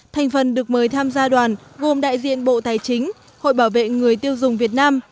thành phần được mời tham gia đoàn gồm đại diện bộ tài chính hội bảo vệ người tiêu dùng việt nam